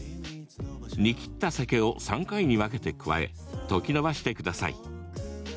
煮きった酒を３回に分けて加え溶きのばしてください。